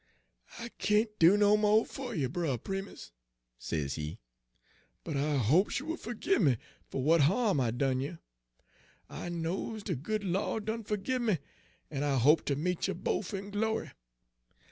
" 'I can't do no mo' fer you, Brer Primus,' sezee, 'but I hopes you will fergib me fer w'at harm I done you. I knows de good Lawd done fergib me, en I hope ter meet you bofe in glory.